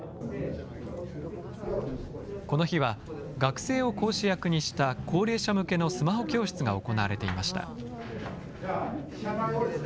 この日は、学生を講師役にした高齢者向けのスマホ教室が行われていました。